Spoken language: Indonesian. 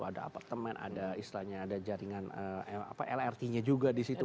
ada apartemen ada jaringan lrt nya juga di situ